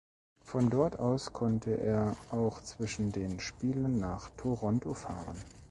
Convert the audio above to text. Von dort aus konnte er auch zwischen den Spielen nach Toronto fahren.